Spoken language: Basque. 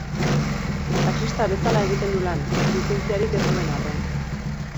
Taxista bezala egiten du lan, lizentziarik ez duen arren.